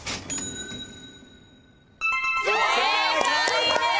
正解です！